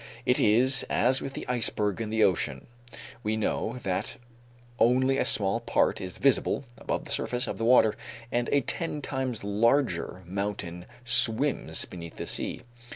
It is as with the iceberg in the ocean; we know that only a small part is visible above the surface of the water and a ten times larger mountain swims below the sea.